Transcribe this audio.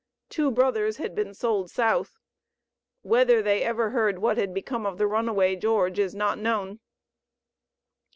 Two brothers had been sold South. Whether they ever heard what had become of the runaway George is not known.